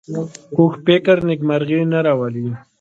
کوږ فکر نېکمرغي نه راولي